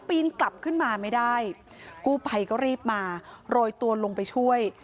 ปีนกลับขึ้นมาไม่ได้กู้ภัยก็รีบมาโรยตัวลงไปช่วย